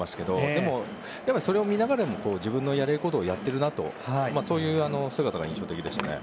でも、それを見ながらも自分のやれることをやっているそういう姿が印象的でした。